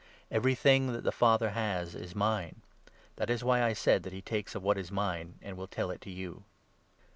Everything that the Father has is 15 mine ; that is why I said that he takes of what is mine, and will tell it to you.